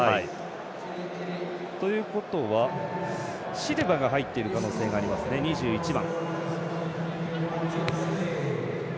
ということはシルバが入っている可能性がありますね、２１番。